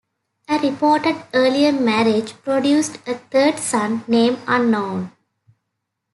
A reported earlier marriage produced a third son, name unknown.